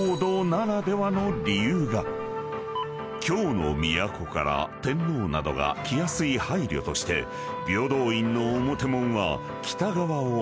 ［京の都から天皇などが来やすい配慮として平等院の表門は北側を向いているが］